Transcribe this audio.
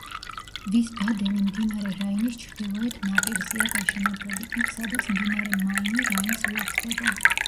ვისბადენი მდინარე რაინის ჩრდილოეთ ნაპირზეა გაშენებული, იქ, სადაც მდინარე მაინი რაინს უერთდება.